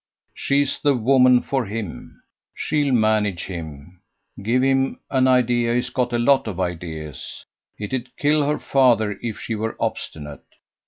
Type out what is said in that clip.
She's the woman for him. She'll manage him give him an idea he's got a lot of ideas. It'd kill her father if she were obstinate.